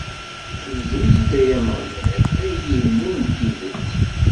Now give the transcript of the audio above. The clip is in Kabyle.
Fdu-yi-d, ay Ameɣlal, ay Illu n tidet!